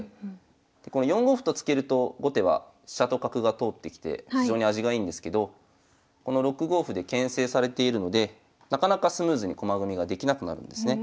この４五歩と突けると後手は飛車と角が通ってきて非常に味がいいんですけどこの６五歩でけん制されているのでなかなかスムーズに駒組みができなくなるんですね。